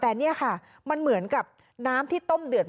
แต่นี่ค่ะมันเหมือนกับน้ำที่ต้มเดือด